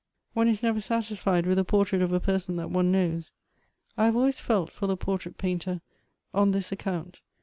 " One is never satisfied with a portrait of a person that one knows. I have always felt for the portrait painter Elective Affinities. 165 on this account.